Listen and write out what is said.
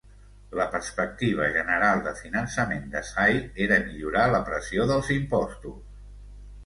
La perspectiva general de finançament de Say era millorar la pressió dels impostos.